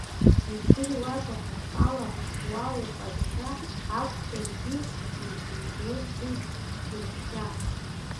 Издыруада акала, уа уҟазшьа акәзаргьы измырӡыз сбызшәа!